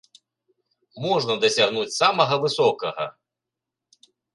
Можна дасягнуць самага высокага!